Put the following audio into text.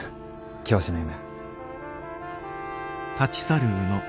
教師の夢。